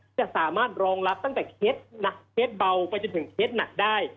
จะสามารถรองรับตั้งแต่เคสหนักเคสเบาไปจนถึงเคสหนักได้